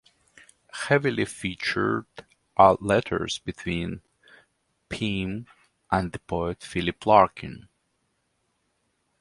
Heavily featured are letters between Pym and the poet Philip Larkin.